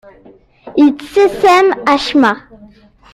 Yettasem acemma.